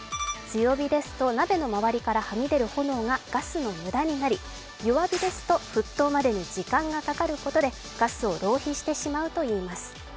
強火ですと鍋の周りからはみ出る炎がガスの無駄になり弱火ですと沸騰までに時間がかかることでガスを浪費してしまうといいます。